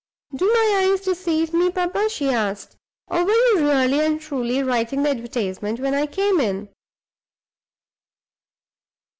"Do my eyes deceive me, papa?" she asked. "Or were you really and truly writing the advertisement when I came in?"